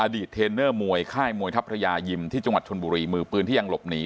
เทรนเนอร์มวยค่ายมวยทัพยายิมที่จังหวัดชนบุรีมือปืนที่ยังหลบหนี